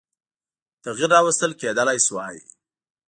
تغییر راوستل کېدلای شوای.